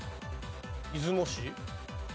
出雲市？